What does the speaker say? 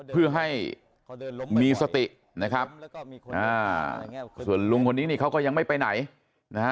เพื่อให้มีสตินะครับส่วนลุงคนนี้นี่เขาก็ยังไม่ไปไหนนะฮะ